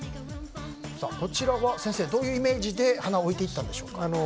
こちらが、先生どういうイメージで花を置いていったんでしょうか？